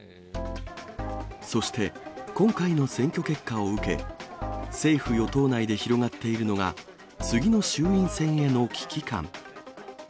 そして、今回の選挙結果を受け、政府・与党内で広がっているのが、次の衆院選への危機感。